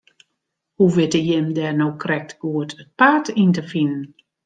Hoe witte jim dêr no krekt goed it paad yn te finen?